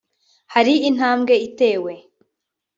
hari intambwe itewe